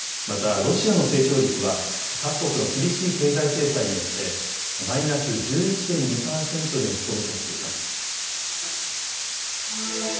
またロシアの成長率は各国の厳しい経済制裁によってマイナス１１．２％に落ち込むとしています。